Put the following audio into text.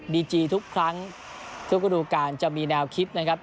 จีทุกครั้งทุกระดูการจะมีแนวคิดนะครับ